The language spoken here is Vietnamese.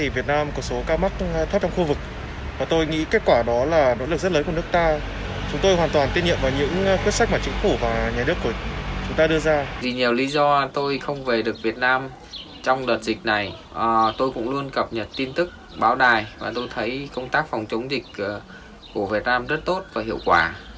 vì nhiều lý do tôi không về được việt nam trong đợt dịch này tôi cũng luôn cập nhật tin tức báo đài và tôi thấy công tác phòng chống dịch của việt nam rất tốt và hiệu quả